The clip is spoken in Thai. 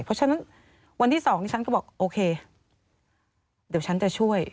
เพราะฉะนั้นวันที่๒นี่ฉันก็บอกโอเคเดี๋ยวฉันจะช่วย